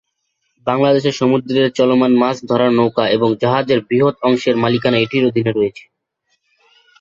বাংলাদেশের সমুদ্রের চলমান মাছ ধরার নৌকা এবং জাহাজের বৃহৎ অংশের মালিকানা এটির অধীনে রয়েছে।